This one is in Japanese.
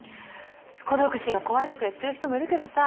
孤独死が怖いとか言ってる人もいるけどさ